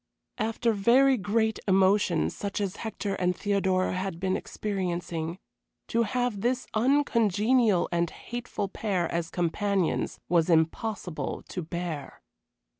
After very great emotion such as Hector and Theodora had been experiencing, to have this uncongenial and hateful pair as companions was impossible to bear.